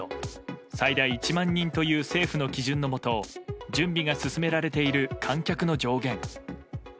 最大１万人という政府の基準のもと準備が進められている観客の上限。